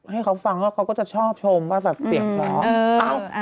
ให้เขาฟังแล้วเขาก็จะชอบชมว่าแบบเสียงเพราะ